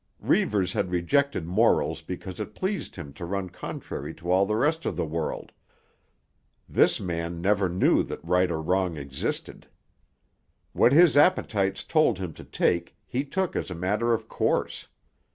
Reivers had rejected morals because it pleased him to run contrary to all the rest of the world; this man never knew that right or wrong existed. What his appetites told him to take he took as a matter of course.